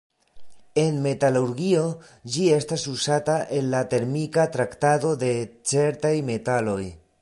En metalurgio, ĝi estas uzata en la termika traktado de certaj metaloj.